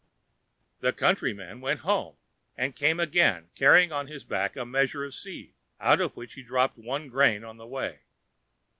The Countryman went home, and came again, carrying on his back a measure of seed, out of which he dropped one grain on the way.